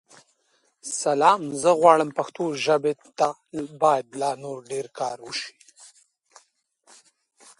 سلام؛ زه غواړم پښتو ژابې ته بايد لا نور ډير کار وشې.